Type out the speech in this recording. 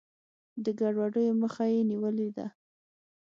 د ګډوډیو مخه یې نیولې ده.